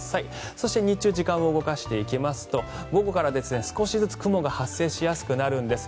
そして、日中時間を動かしていきますと午後から少しずつ雲が発生しやすくなるんです。